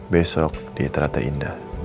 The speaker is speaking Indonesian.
besok di terata indah